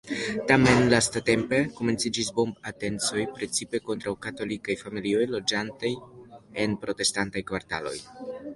Tamen lastatempe komenciĝis bomb-atencoj precipe kontraŭ katolikaj familioj loĝantaj en protestantaj kvartaloj.